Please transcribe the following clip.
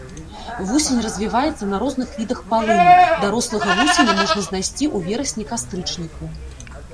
Вусень развіваецца на розных відах палыну, дарослага вусеня можна знайсці ў верасні-кастрычніку.